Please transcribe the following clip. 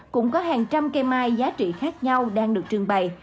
cũng có hàng trăm cây mai giá trị khác nhau đang được trưng bày